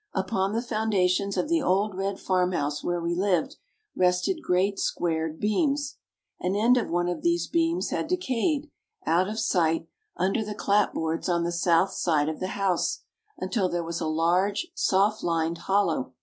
Upon the foundations of the old red farmhouse where we lived, rested great squared beams. An end of one of these beams had decayed, out of sight, under the clapboards on the south side of the house, until there was a large, soft lined hollow.